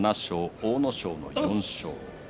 阿武咲の４勝。